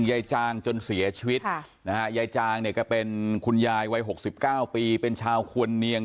จางจนเสียชีวิตค่ะนะฮะยายจางเนี่ยก็เป็นคุณยายวัย๖๙ปีเป็นชาวควรเนียง